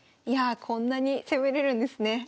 いやあこんなに攻めれるんですね。